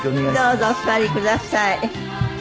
どうぞお座りください。